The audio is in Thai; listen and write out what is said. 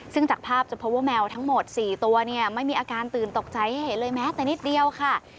ซึ่งจากภาพจะพบว่าแมวทั้งหมด๔ตัวเนี่ยไม่มีอาการตื่นตกใจให้เห็นเลยแม้แต่นิดเดียวค่ะ